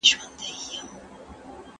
ټولنیز علوم له چاپېریال سره تړلي دي.